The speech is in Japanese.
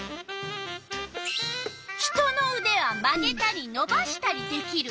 人のうでは曲げたりのばしたりできる。